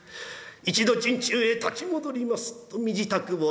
一度陣中へ立ち戻りますと身支度を整える。